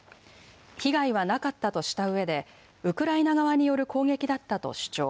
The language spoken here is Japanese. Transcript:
被害はなかったとした上でウクライナ側による攻撃だったと主張。